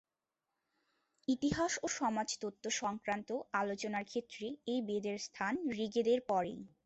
ইতিহাস ও সমাজতত্ত্ব-সংক্রান্ত আলোচনার ক্ষেত্রে এই বেদের স্থান ঋগ্বেদের পরেই।